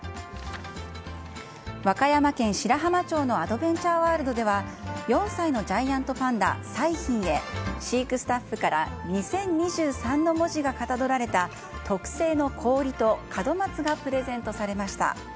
和歌山県白浜町のアドベンチャーワールドでは、４歳のジャイアントパンダ、彩浜へ、飼育スタッフから２０２３の文字がかたどられた特製の氷と門松がプレゼントされました。